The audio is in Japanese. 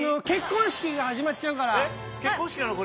えっ結婚式なの？